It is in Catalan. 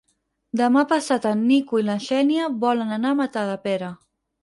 Demà passat en Nico i na Xènia volen anar a Matadepera.